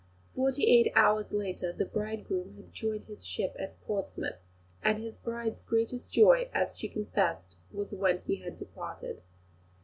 Forty eight hours later the bridegroom had joined his ship at Portsmouth; and his bride's greatest joy, as she confessed, was when he had departed.